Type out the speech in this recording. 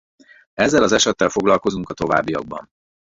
Ezzel az esettel foglalkozunk a továbbiakban.